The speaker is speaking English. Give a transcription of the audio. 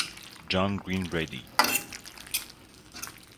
John Green Brady.